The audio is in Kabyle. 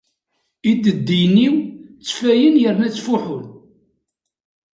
Ideddiyen-iw ttfayen yerna ttfuḥun.